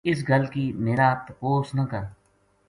اِس گل کی میرا تپوس نہ کر